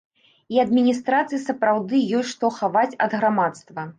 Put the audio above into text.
І адміністрацыі сапраўды ёсць што хаваць ад грамадства.